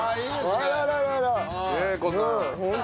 桂子さん。